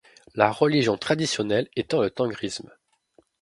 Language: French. La religion traditionnelle étant le tengrisme.